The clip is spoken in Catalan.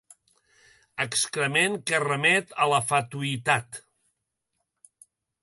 Excrement que remet a la fatuïtat.